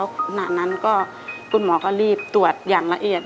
ขณะนั้นก็คุณหมอก็รีบตรวจอย่างละเอียด